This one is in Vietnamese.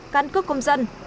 cán cước công dân